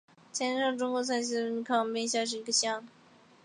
前进乡是中国陕西省安康市汉滨区下辖的一个乡。